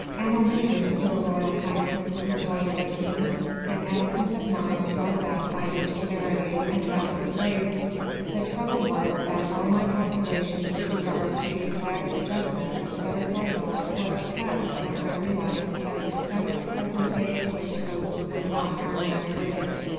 "An omission, your Royal Highness," rejoined Blakeney, "an absence of mind brought about by your severity, and that of Her Grace. The trouble was that all my calculations with regard to the exact adjustment of the butterfly bow were upset when I realised that the set of the present day waistcoat would not harmonise with it.